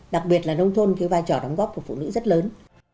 đặc biệt là nông thôn cái vai trò đóng góp của phụ nữ rất lớn